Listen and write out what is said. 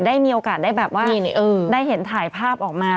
ได้มีโอกาสได้แบบว่าได้เห็นถ่ายภาพออกมา